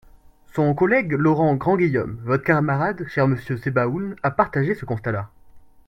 Son collègue Laurent Grandguillaume, votre camarade, cher monsieur Sebaoun, a partagé ce constat-là.